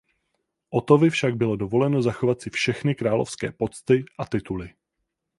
Otovi však bylo dovoleno zachovat si všechny královské pocty a tituly.